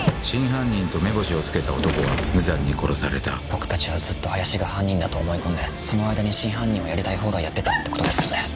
真犯人と目星を付けた男は無残に殺された僕たちはずっと林が犯人だと思い込んでその間に真犯人はやりたい放題やってたってことですよね？